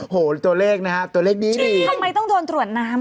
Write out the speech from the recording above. โหตัวเลขนะฮะตัวเลขดีดีทำไมต้องโดนตรวจน้ำ